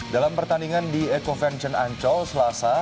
dalam pertandingan di ekovenchen ancol selasa